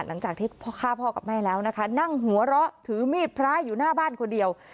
หลังจากที่พ่อฆ่าพ่อกับแม่แล้วนะคะนั่งหัวเราะถือมีดพระอยู่หน้าบ้านคนเดียว